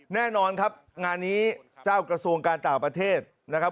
แน่นอนครับงานนี้เจ้ากระทรวงการต่างประเทศนะครับ